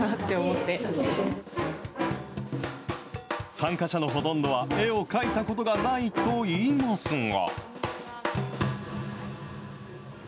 参加者のほとんどは、絵を描いたことがないといいますが。